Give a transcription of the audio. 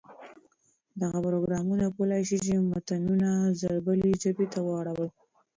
دغه پروګرامونه کولای شي متنونه ژر بلې ژبې ته واړوي.